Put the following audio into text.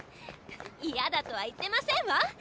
嫌だとは言ってませんわ！